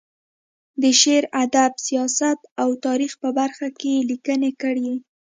د شعر، ادب، سیاست او تاریخ په برخه کې یې لیکنې کړې.